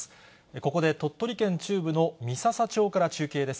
ここで鳥取県中部の三朝町から中継です。